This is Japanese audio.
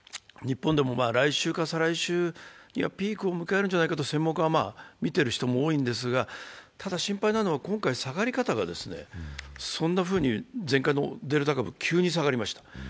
日本でも来週か再来週にはピークを迎えるんじゃないかと専門家も見ている方が多いんですが、ただ心配なのは、今回、下がり方がそんなふうに、前回のデルタ株は急に下がりました。